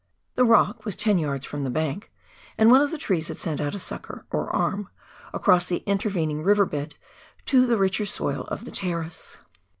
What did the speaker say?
The rock was ten yards from the bank, and one of the trees had sent out a sucker, or arm, across the intervening river bed to the richer soil of the terrace.